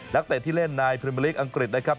เตะที่เล่นในพรีเมอร์ลีกอังกฤษนะครับ